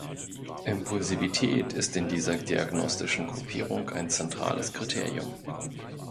Impulsivität ist in dieser diagnostischen Gruppierung ein zentrales Kriterium.